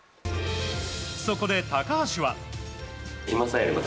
そこで、高橋は。